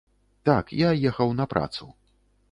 Так, я ехаў на працу.